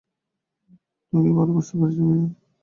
তুই কি আমি ভালোই বুঝতে পেরেছি, মেয়ে।